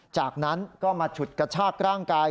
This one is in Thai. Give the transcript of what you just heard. จากนั้นก็มาฉุดกระชากร่างกาย